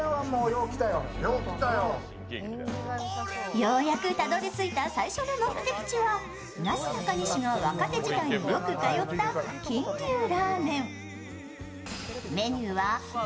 ようやくたどり着いた最初の目的地はなすなかにしが若手時代によく通った金龍ラーメン。